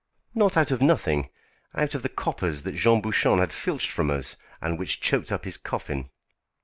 "Not out of nothing; out of the coppers that Jean Bouchon had filched from us, and which choked up his coffin."